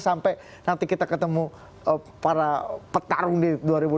sampai nanti kita ketemu para petarung di dua ribu dua puluh